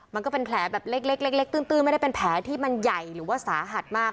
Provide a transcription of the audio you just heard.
มันก็เป็นแผลแบบเล็กตื้นไม่ได้เป็นแผลที่มันใหญ่หรือว่าสาหัสมาก